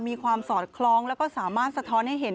ความสอดคล้องแล้วก็สามารถสะท้อนให้เห็น